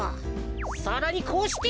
さらにこうして。